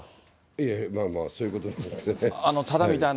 ええ、まあまあ、そういうことになりますね。